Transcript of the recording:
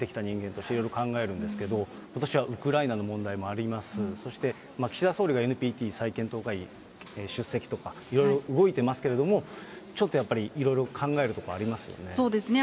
身として、いろいろ考えるんですけど、ことしはウクライナの問題もあります、そして岸田総理がＮＰＴ再検討会議、出席とか、いろいろ動いてますけれども、ちょっとやっぱりいろいそうですね。